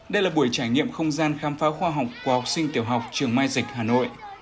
đây là buổi trải nghiệm không gian khám phá khoa học của học sinh tiểu học trường mai dịch hà nội